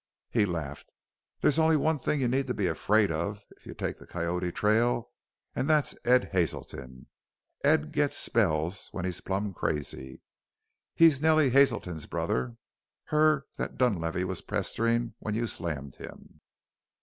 He laughed. "There's only one thing you need to be afraid of if you take the Coyote trail, an' that's Ed Hazelton. Ed gets spells when he's plum crazy. He's Nellie Hazelton's brother her that Dunlavey was pesterin' when you slammed him."